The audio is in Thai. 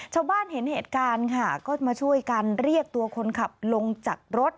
ชาวบ้านเห็นเหตุการณ์ค่ะก็มาช่วยกันเรียกตัวคนขับลงจากรถ